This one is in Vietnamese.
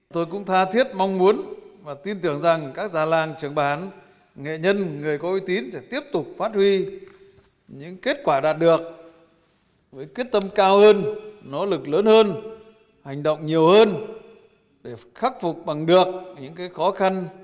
tôi cũng tha thiết mong muốn và tin tưởng rằng các già làng trưởng bản nghệ nhân người có y tín sẽ tiếp tục phát huy những kết quả đạt được với quyết tâm cao hơn nỗ lực lớn hơn hành động nhiều hơn để khắc phục bằng được những khó khăn